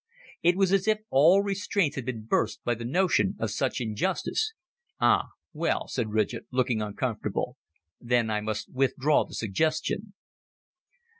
It was as if all restraints had been burst by the notion of such injustice. "Ah, well," said Ridgett, looking uncomfortable, "then I must withdraw the suggestion."